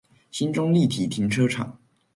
興中立體停車場